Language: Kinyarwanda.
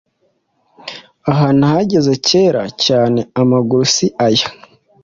Aha nahageze cyera cyane amaguru si aya